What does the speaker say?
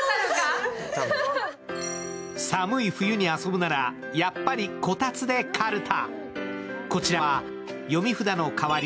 寒い冬に遊ぶなら、やっぱりこたつでかるた。